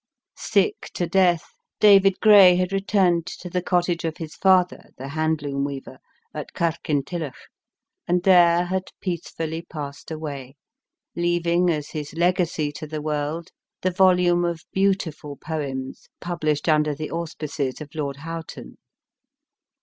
Sick to death, David Gray had returned to the cottage of his father, the handloom weaver, at Kirkintilloch, and there had peacefully passed away, leaving as his legacy to the world the volume of beautiful poems published under the auspices of Lord Houghton.